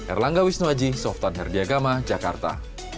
erlangga wisnuaji softan herdiagama jakarta